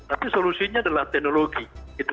tapi solusinya adalah teknologi